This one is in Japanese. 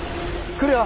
来るよ。